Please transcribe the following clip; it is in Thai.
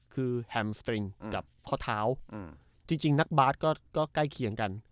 คือแฮมสตริงอืมกับข้อเท้าอืมจริงจริงนักบาทก็ก็ใกล้เคียงกัน